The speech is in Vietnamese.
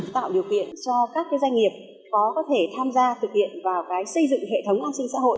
tạo điều kiện cho các doanh nghiệp có thể tham gia thực hiện vào xây dựng hệ thống an sinh xã hội